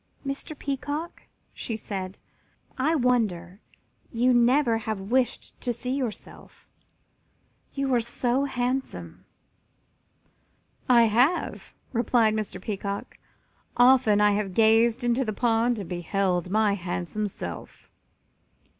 "Mr. Peacock," she said, "I wonder you never have wished to see yourself, you are so handsome." "I have," replied Mr. Peacock; "often I have gazed into the pond and beheld my handsome self."